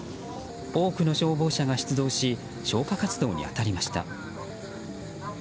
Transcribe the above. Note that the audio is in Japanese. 多くの消防車が出動し消火活動に当たりました。